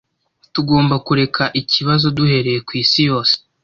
Tugomba kureba ikibazo duhereye ku isi yose.